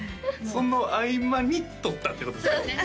その合間に撮ったってことそうですね